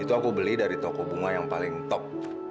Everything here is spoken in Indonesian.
itu aku beli dari toko bunga yang paling top